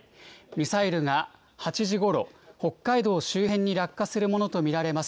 ミサイルが８時ごろ、北海道周辺に落下するものと見られます。